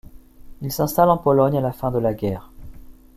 Il s'installe en Pologne à la fin de la guerre.